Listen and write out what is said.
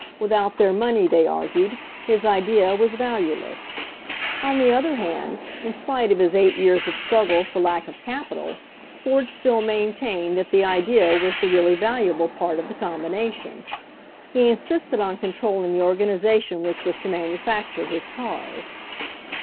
Without their money, they argued, his idea was valueless. On the other hand, in spite of his eight years H2 HENRY FORD'S OWN STORY of struggle for lack of capital, Ford still main tained that the idea was the really valuable part of the combination. He insisted on controlling the organization which was to manufacture his cars.